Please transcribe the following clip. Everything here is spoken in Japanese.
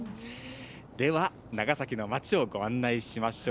では、長崎の街をご案内しましょう。